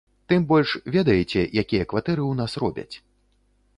Тым больш, ведаеце, якія кватэры ў нас робяць?